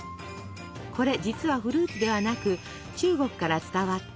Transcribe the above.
これ実はフルーツではなく中国から伝わった「唐果物」。